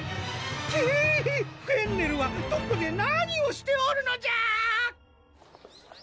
くぅフェンネルはどこで何をしておるのじゃ！